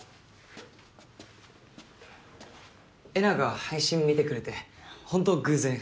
えなが配信見てくれてホント偶然。